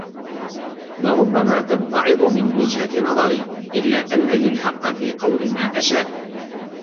لربما تمتعض من وجهة نظري، إلا أنّ لي الحقّ في قول ما أشاء.